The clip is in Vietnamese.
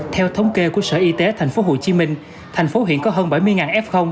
theo thống kê của sở y tế tp hcm thành phố hiện có hơn bảy mươi f